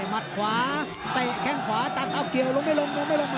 มัดขวาเตะแข้งขวาตัดเอาเกี่ยวลงไม่ลงลงไม่ลง